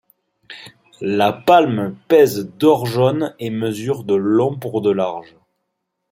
La palme pèse d'or jaune et mesure de long pour de large.